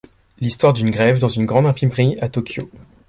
L'histoire d'une grève dans une grande imprimerie à Tokyo.